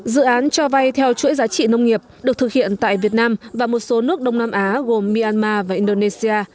dự án cho vay theo chuỗi giá trị nông nghiệp được thực hiện tại việt nam và một số nước đông nam á gồm myanmar và indonesia